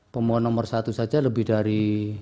pemohon nomor satu saja lebih dari